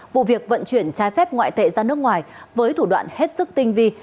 vụ việc vận chuyển trái phép ngoại tệ ra nước ngoài với thủ đoạn hết sức tinh vi